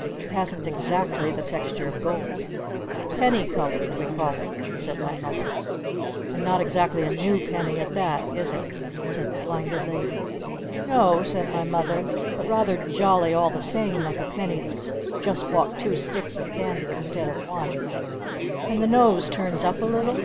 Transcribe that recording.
"It hasn't exactly the texture of gold." "'Penny colored' we call it!" said my Mother. "And not exactly a new penny at that, is it?" said the Blinded Lady. "N o," said my Mother. "But rather jolly all the same like a penny that's just bought two sticks of candy instead of one!" "And the nose turns up a little?"